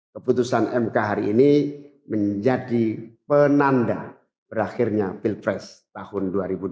keputusan mk hari ini menjadi penanda berakhirnya pilpres tahun dua ribu dua puluh